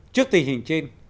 trước tình hình trên